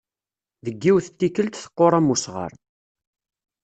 Deg yiwet n tikelt teqqur am usɣar.